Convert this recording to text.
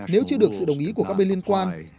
nếu chưa được sự đồng ý của các bên liên quan